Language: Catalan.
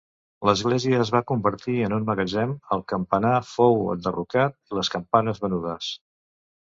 L'església es va convertir en un magatzem, el campanar fou enderrocat i les campanes venudes.